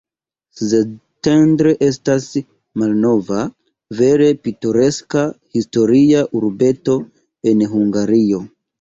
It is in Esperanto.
Szentendre estas malnova, vere pitoreska historia urbeto en Hungario.